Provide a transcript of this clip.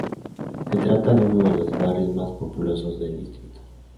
Se trata de uno de los barrios más populosos del distrito.